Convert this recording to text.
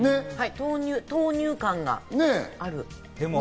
豆乳感がある。